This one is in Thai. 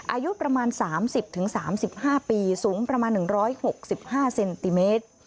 อายุประมาณสามสิบถึงสามสิบห้าปีสูงประมาณหนึ่งร้อยหกสิบห้าเซนติเมตร